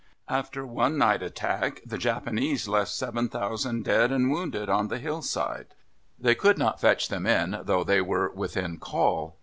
After one night attack the Japanese left 7,000 dead and wounded on the hill side. They could not fetch them in, though they were within call.